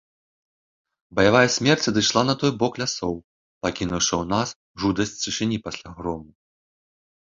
Баявая смерць адышла на той бок лясоў, пакінуўшы ў нас жудаснасць цішыні пасля грому.